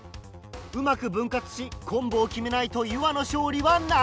うまく分割しコンボを決めないとゆわの勝利はない。